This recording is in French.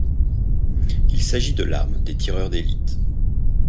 Il s'agit de l'arme des tireurs d'élite.